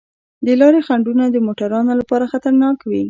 د لارې خنډونه د موټروانو لپاره خطرناک وي.